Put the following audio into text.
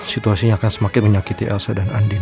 situasinya akan semakin menyakiti elsa dan andi